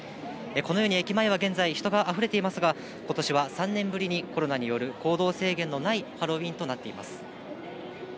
このように駅前は現在、人があふれていますが、ことしは３年ぶりにコロナによる行動制限のないハロウィーンとなっています。